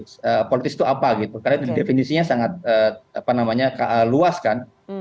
jadi politis itu apa gitu karena definisinya sangat luas kan